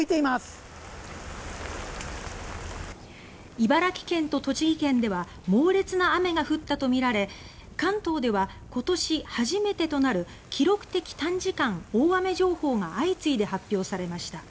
茨城県と栃木県では猛烈な雨が降ったとみられ関東では今年初めてとなる記録的短時間大雨情報が相次いで発表されました。